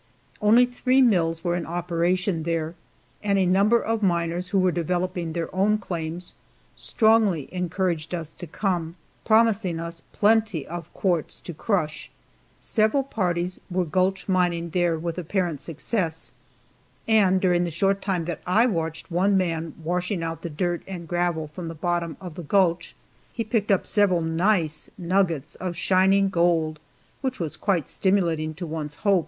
Only three mills were in operation there, and a number of miners who were developing their own claims strongly encouraged us to come, promising us plenty of quartz to crush. Several parties were gulch mining there with apparent success, and during the short time that I watched one man washing out the dirt and gravel from the bottom of the gulch he picked up several nice nuggets of shining gold, which was quite stimulating to one's hopes.